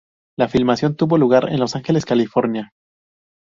La filmación tuvo lugar en Los Ángeles, California.